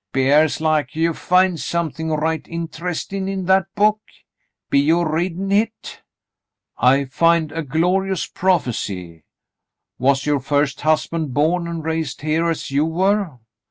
"'Pears like you find somethin' right interestin' in that book ; be you readin' hit V^ "I find a glorious prophecy. Was your first husband born and raised here as you were